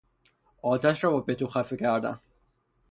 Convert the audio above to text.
آتش را با پتو خفه کردن